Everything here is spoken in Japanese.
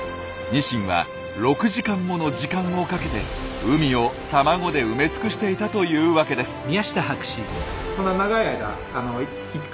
ニシンは６時間もの時間をかけて海を卵で埋め尽くしていたというわけです。